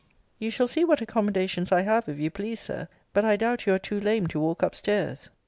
You shall see what accommodations I have, if you please, Sir. But I doubt you are too lame to walk up stairs.